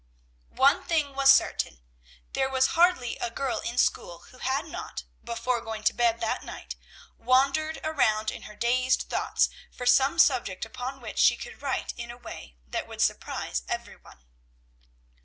One thing was certain, there was hardly a girl in school who had not, before going to bed that night, wandered around in her dazed thoughts for some subject upon which she could write in a way that would surprise every one.